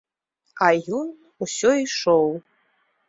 А ён усё ішоў.